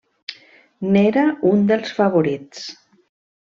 N'era un dels favorits.